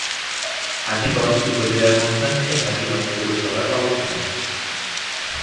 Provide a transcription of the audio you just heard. হাজীগঞ্জ উপজেলার মধ্যাংশে হাজীগঞ্জ পৌরসভার অবস্থান।